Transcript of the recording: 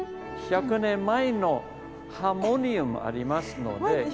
１００年前のハーモニウムありますので。